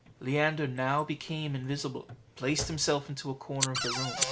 Leander now became invisible, and placed himself in a corner of the room.